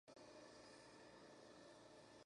Se alimenta principalmente de larvas de insectos.